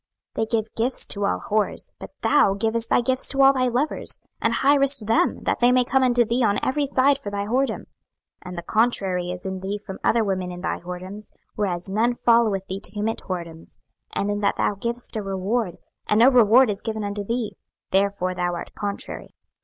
26:016:033 They give gifts to all whores: but thou givest thy gifts to all thy lovers, and hirest them, that they may come unto thee on every side for thy whoredom. 26:016:034 And the contrary is in thee from other women in thy whoredoms, whereas none followeth thee to commit whoredoms: and in that thou givest a reward, and no reward is given unto thee, therefore thou art contrary.